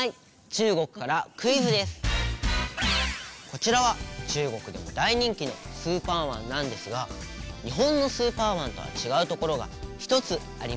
こちらは中国でも大人気のスーパーワンなんですが日本のスーパーワンとはちがうところがひとつあります。